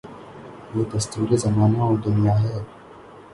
یہ دستور زمانہ و دنیاہے۔